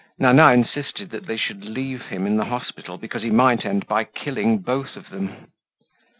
Nana insisted that they should leave him in the hospital because he might end by killing both of them.